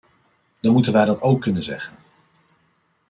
Dan moeten wij dat ook kunnen zeggen.